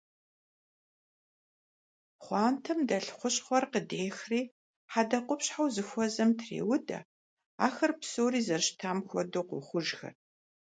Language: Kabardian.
Пхъуантэм дэлъ хущхъуэр къыдехри хьэдэкъупщхьэу зыхуэзэм треудэ. Ахэр псори зэрыщытам хуэдэу къохъужхэр.